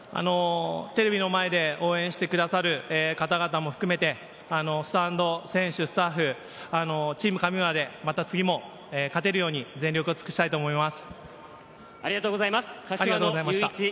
次に向けてひと言お願テレビの前で応援してくださる方々も含めて、スタンド、選手、スタッフ、チーム神村でまた次も勝てるように全力を尽くしたいと思います。